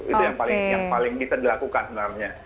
itu yang paling bisa dilakukan sebenarnya